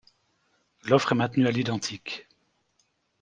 L'offre est maintenue à l'identique.